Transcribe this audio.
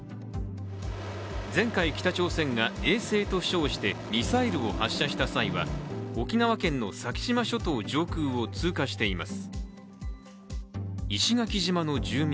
前回、北朝鮮が衛星と称してミサイルを発射した際は沖縄県の先島諸島上空を通過しています。